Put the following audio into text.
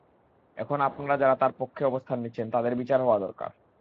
এখন আপনারা যাঁরা তাঁর পক্ষে অবস্থান নিচ্ছেন, তাঁদের বিচার হওয়া দরকার।